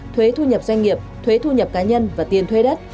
thuế thu nhập doanh nghiệp thuế thu nhập cá nhân và tiền thuê đất